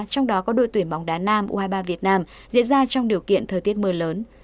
trong đó có đội tuyển bóng đá nam u hai mươi ba việt nam diễn ra trong điều kiện thời tiết mưa lớn